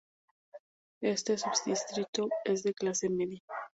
Este subdistrito es de clase media.